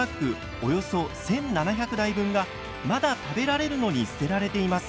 およそ１７００台分がまだ食べられるのに捨てられています。